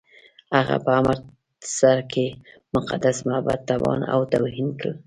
هغه په امرتسر کې مقدس معبد تباه او توهین کړ.